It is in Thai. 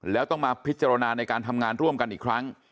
แล้วต้องมาพิจารณาในการทำงานร่วมกันอีกครั้ง